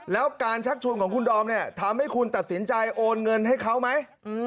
แล้วการชักชวนของคุณดอมเนี่ยทำให้คุณตัดสินใจโอนเงินให้เขาไหม